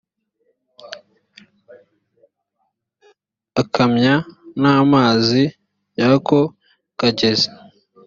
akanywa n amazi y ako kagezi